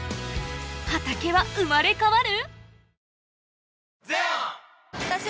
畑は生まれ変わる？